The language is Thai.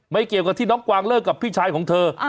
เกี่ยวกับที่น้องกวางเลิกกับพี่ชายของเธอ